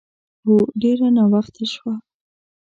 هو، ډېر ناوخته شوه.